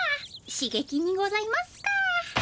しげきにございますか？